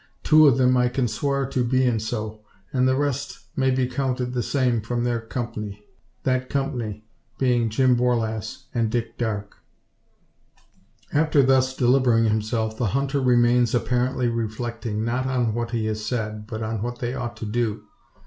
Two o' them I kin swar to bein' so; an' the rest may be counted the same from their kumpny that kumpny bein' Jim Borlasse an' Dick Darke." After thus delivering himself, the hunter remains apparently reflecting, not on what he has said, but what they ought to do.